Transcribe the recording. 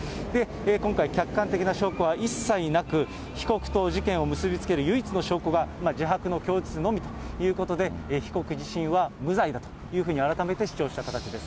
今回、客観的な証拠は一切なく、被告と事件を結び付ける唯一の証拠が自白の供述のみということで、被告自身は、無罪だというふうに改めて主張した形です。